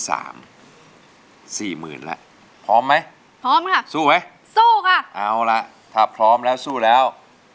สี่หมื่นแล้วพร้อมไหมพร้อมค่ะสู้ไหมสู้ค่ะเอาละถ้าพร้อมแล้วสู้แล้ว